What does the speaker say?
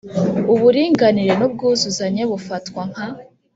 Uburinganire n ubwuzuzanye bufatwa nka